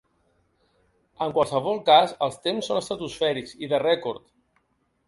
En qualsevol cas, els temps són estratosfèrics i de rècord.